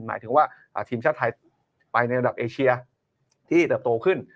หมายถึงว่าทีมชาติไทยไปในระดับเอเชียที่เติบโตขึ้น